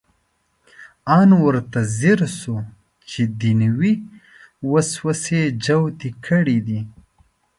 ان ورته ځیر شو چې دنیوي وسوسې جوتې کړې دي.